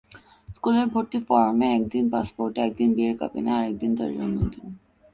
স্কুলের ভর্তি ফরমে একদিন, পাসপোর্টে একদিন, বিয়ের কাবিনে আরেকদিন তাঁর জন্মদিন।